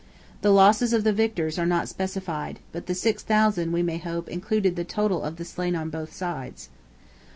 The losses of the victors are not specified, but the 6,000, we may hope, included the total of the slain on both sides.